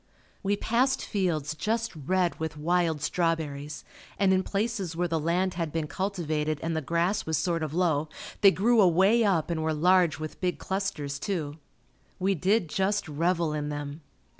We passed fields just red with wild strawberries and in places where the land had been cultivated and the grass was sort of low, they grew away up and were large with big clusters, too. We did just revel in them.